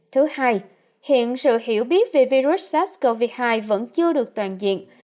thứ hai hiện sự hiểu biết về virus sars cov hai vẫn chưa được toàn diện